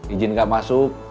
ijin gak masuk